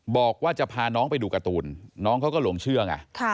บอกว่าจะพาน้องไปดูการ์ตูนน้องเขาก็หลงเชื่อไง